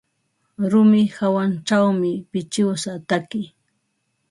Rumi hawanćhawmi pichiwsa taki.